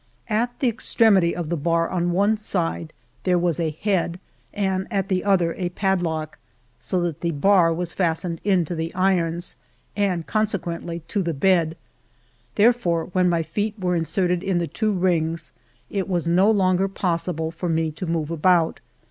At the extremity of the bar, on one side, there was a head " D " and at the other a padlock, " E," so that the bar was fastened into the irons " AA," and consequently to the bed. Therefore, when my feet were inserted in the two rings, it was no longer possible for me to move about.